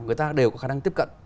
người ta đều có khả năng tiếp cận